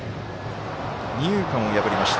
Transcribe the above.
二遊間を抜けました。